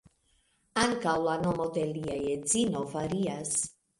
Ankaŭ la nomo de lia edzino varias.